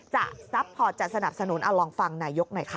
ซัพพอร์ตจะสนับสนุนเอาลองฟังนายกหน่อยค่ะ